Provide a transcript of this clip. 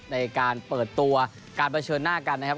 ในการเปิดตัวการเผชิญหน้ากันนะครับ